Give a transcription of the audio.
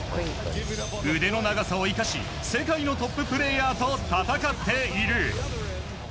腕の長さを生かし世界のトッププレーヤーと戦っている。